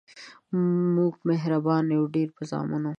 مونږ مهربان یو ډیر په زامنو